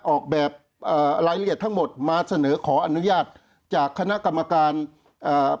ออกแบบเอ่อรายละเอียดทั้งหมดมาเสนอขออนุญาตจากคณะกรรมการอ่า